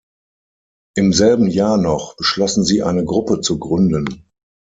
Im selben Jahr noch beschlossen sie, eine Gruppe zu gründen.